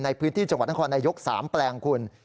ในพื้นที่จังหวัดนครนายก๓แปลงคุณ